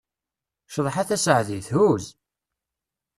Cḍeḥ a Taseɛdit, huz!